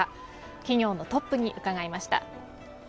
企業のトップに伺いました。